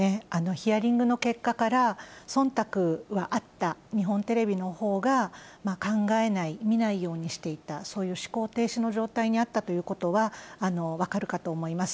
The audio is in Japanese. ヒアリングの結果から、そんたくはあった、日本テレビのほうが考えない、見ないようにしていた、そういう思考停止の状態にあったということは、分かるかと思います。